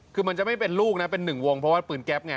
คือมันจะไม่เป็นลูกนะเป็นหนึ่งวงเพราะว่าปืนแก๊ปไง